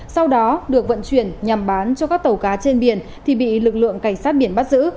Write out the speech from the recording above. sau đó được vận chuyển nhằm bán cho các tàu cá trên biển thì bị lực lượng cảnh sát biển bắt giữ